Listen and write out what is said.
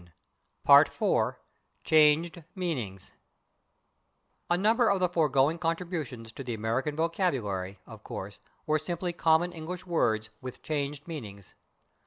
§ 4 /Changed Meanings/ A number of the foregoing contributions to the American vocabulary, of course, were simply common English words with changed meanings.